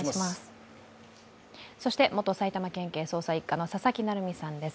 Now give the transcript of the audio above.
そして、元埼玉県警捜査一課の佐々木成三さんです。